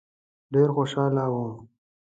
ډېر خوشاله وم.